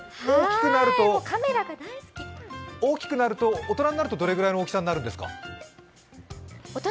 大きくなると、大人になるとどれぐらいの大きさになるんですか？